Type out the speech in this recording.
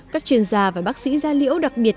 các chuyên gia và bác sĩ gia liễu đặc biệt